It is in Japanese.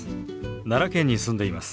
奈良県に住んでいます。